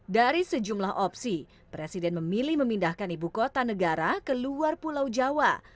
dari sejumlah opsi presiden memilih memindahkan ibu kota negara ke luar pulau jawa